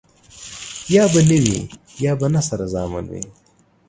يا به نه وي ،يا به نه سره زامن وي.